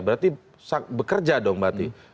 berarti bekerja dong berarti